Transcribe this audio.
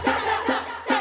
piam piam sepiam dek